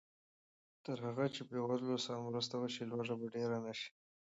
تر هغه چې بېوزلو سره مرسته وشي، لوږه به ډېره نه شي.